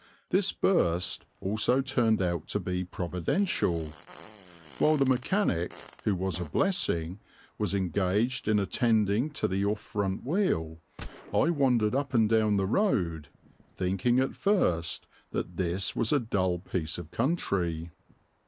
This burst also turned out to be providential. While the mechanic, who was a blessing, was engaged in attending to the off front wheel, I wandered up and down the road, thinking at first that this was a dull piece of country.